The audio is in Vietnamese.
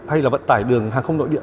hay là vận tải đường hàng không nội địa